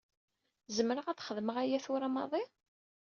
Zemreɣ ad xedmeɣ aya tura maḍi?